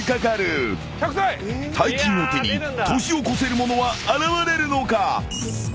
［大金を手に年を越せる者は現れるのか？］